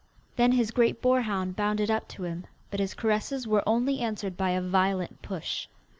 Then his great boarhound bounded up to him, but his caresses were only answered by a violent push.